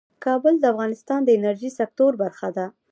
کابل د افغانستان د انرژۍ سکتور برخه ده.